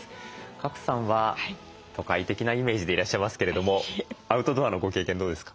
賀来さんは都会的なイメージでいらっしゃいますけれどもアウトドアのご経験どうですか？